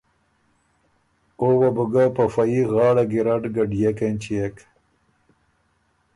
او وه بُو ګۀ په فه يي غاړه ګیرډ ګډيېک اېنچيېک۔